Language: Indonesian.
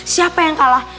siapa yang kalah